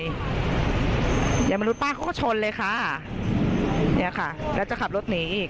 อย่างมนุษย์ป้าเขาก็ชนเลยค่ะเนี่ยค่ะแล้วจะขับรถหนีอีก